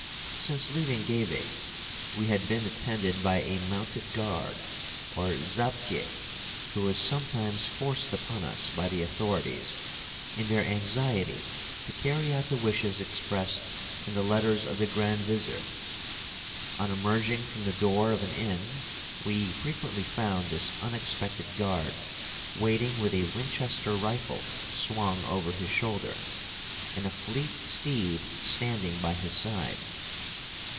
Since leaving Geiveh we had been attended by a mounted guard, or zaptieh, who was sometimes forced upon us by the authorities in their anxiety to carry out the wishes expressed in the letters of the Grand Vizir. On emerging from the door of an inn we frequently found this unexpected guard waiting with a Winchester rifle swung over his shoulder, and a fleet steed standing by his side.